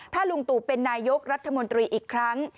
ถ้าลุงตู่เป็นนายกรัฐมนตรีอีกครั้ง